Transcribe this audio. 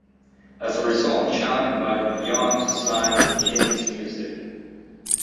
As a result, Chan invited Beyond to sign with Kinn's music.